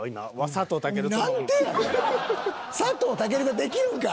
佐藤健ができるんか！？